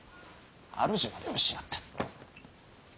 主まで失った。